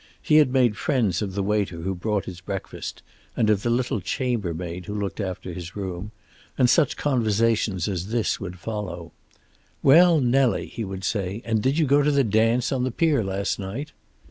He had made friends of the waiter who brought his breakfast, and of the little chambermaid who looked after his room, and such conversations as this would follow: "Well, Nellie," he would say, "and did you go to the dance on the pier last night?"